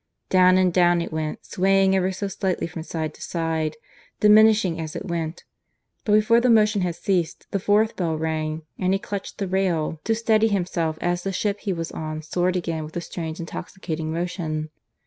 Down and down it went, swaying ever so slightly from side to side, diminishing as it went; but before the motion had ceased the fourth bell rang, and he clutched the rail to steady himself as the ship he was on soared again with a strange intoxicating motion.